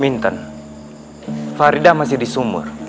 minta faridah masih disumur